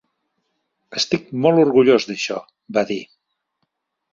"Estic molt orgullós d'això", va dir.